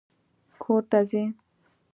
کور ته ځې؟